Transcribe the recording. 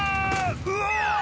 「うわ！